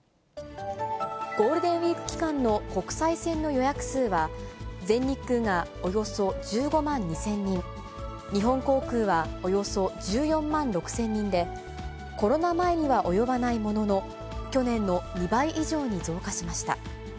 ゴールデンウィーク期間の国際線の予約数は、全日空がおよそ１５万２０００人、日本航空はおよそ１４万６０００人で、コロナ前には及ばないものの、去年の２倍以上に増加しました。